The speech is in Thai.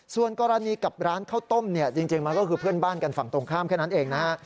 ส่วนกรณีกับร้านข้าวต้มเนี่ยจริงมันก็คือเพื่อนบ้านกันฝั่งตรงข้ามแค่นั้นเองนะฮะ